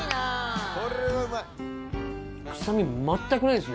これはうまい！